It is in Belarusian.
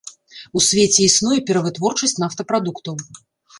У свеце існуе перавытворчасць нафтапрадуктаў.